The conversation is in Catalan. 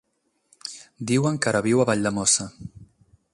Diuen que ara viu a Valldemossa.